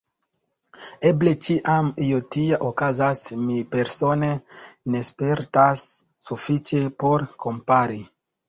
Eble ĉiam io tia okazas, mi persone ne spertas sufiĉe por kompari.